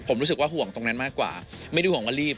ผมรู้สึกว่าห่วงตรงนั้นมากกว่าไม่ได้ห่วงว่ารีบ